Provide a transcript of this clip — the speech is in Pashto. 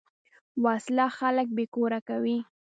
وسله خلک بېکور کوي